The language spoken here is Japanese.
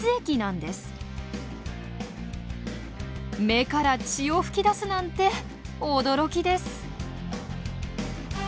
目から血を噴き出すなんて驚きです。